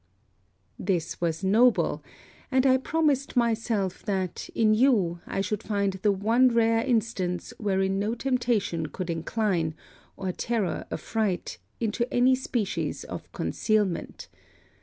This was noble; and I promised myself that, in you, I should find the one rare instance wherein no temptation could incline, or terror affright, into any species of concealment.